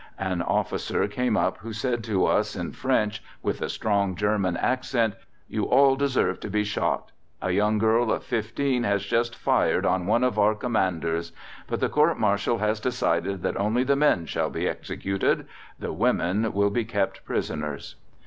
An officer came up who said to us in French with a strong German accent, 'You all deserve to be shot: a young girl of 15 has just fired on one of our Commanders. But the Court martial has decided that only the men shall be executed: the women will be kept prisoners.